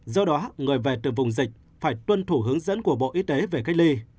do đó người về từ vùng dịch phải tuân thủ hướng dẫn của bộ y tế về cách ly